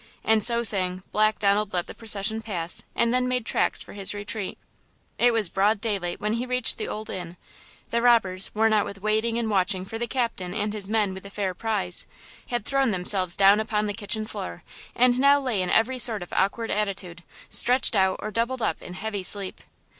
And so saying Black Donald let the procession pass, and then made tracks for his retreat. It was broad daylight when he reached the Old Inn. The robbers, worn out with waiting and watching for the captain and his men with the fair prize, had thrown themselves down upon the kitchen floor, and now lay in every sort of awkward attitude, stretched out or doubled up in heavy sleep.